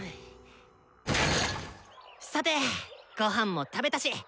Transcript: さてごはんも食べたし！